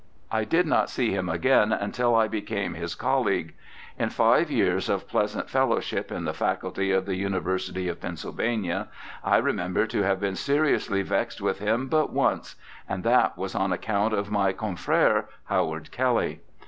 I did not see him again until I became his colleague. In five years of pleasant fellowship in the Faculty of the University of Pennsylvania I remember to have been seriously vexed with him but once, and that was on account of my confrere, Howard Kelly.